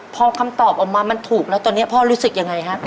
พอคำตอบออกมามันถูกแล้วตอนนี้พ่อรู้สึกยังไงครับ